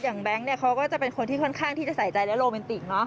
แบงค์เนี่ยเขาก็จะเป็นคนที่ค่อนข้างที่จะใส่ใจและโรแมนติก